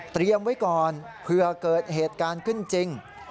ไว้ก่อนเผื่อเกิดเหตุการณ์ขึ้นจริง